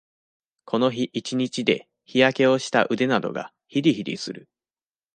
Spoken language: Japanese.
この日一日で、日焼けをした腕などが、ひりひりする。